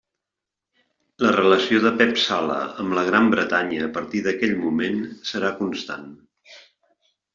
La relació de Pep Sala amb la Gran Bretanya a partir d'aquell moment serà constant.